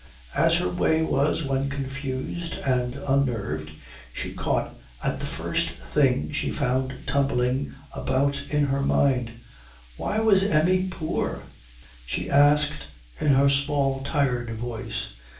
As her way was when confused and unnerved, she caught at the first thing she found tumbling about in her mind. "Why was Emmi poor?" she asked in her small tired voice.